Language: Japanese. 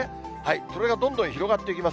それがどんどん広がっていきます。